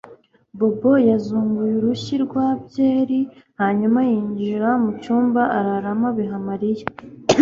Bobo yazunguye urushyi rwa byeri hanyuma yinjira mu cyumba araramo abiha Mariya